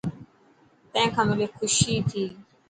تين کان ملي خوشي ٿيي.